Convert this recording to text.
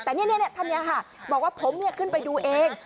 แต่นี่ท่านนี้ค่ะบอกว่าผมขึ้นไปดูเอง